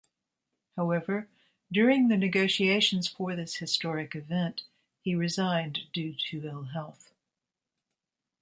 However, during the negotiations for this historic event, he resigned due to ill health.